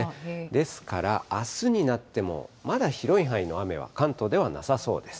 ですから、あすになっても、まだ広い範囲の雨は、関東ではなさそうです。